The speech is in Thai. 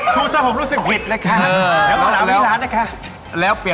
โชคความแม่นแทนนุ่มในศึกที่๒กันแล้วล่ะครับ